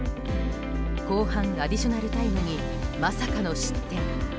後半アディショナルタイムにまさかの失点。